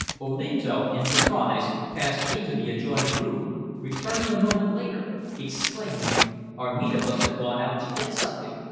Olinto, in surprise, passed into the adjoining room, returning a moment later, exclaiming "Armida must have gone out to get something.